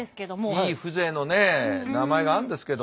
いい風情のね名前があるんですけど。